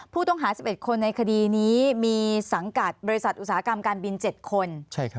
ผู้ต้องหา๑๑คนในคดีนี้มีสังกัดบริษัทอุตสาหกรรมการบิน๗คน